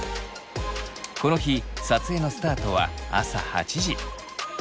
この日撮影のスタートは朝８時。